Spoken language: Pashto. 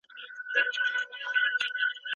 د تاريخ پاڼې بايد په ځير وګورو.